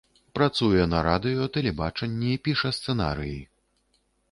Працуе на радыё, тэлебачанні, піша сцэнарыі.